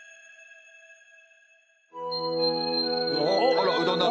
あらうどんだ！